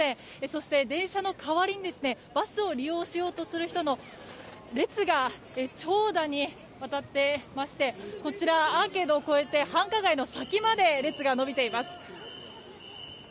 そして、電車の代わりにバスを利用しようとする人の列が長蛇にわたっていましてこちら、アーケードを越えて繁華街の先まで列が伸びています。